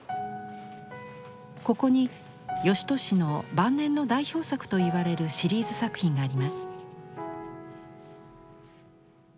ここに芳年の晩年の代表作と言われるシリーズ作品があります。